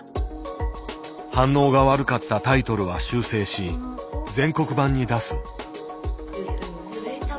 反応が悪かったタイトルは修正し全国版に出す。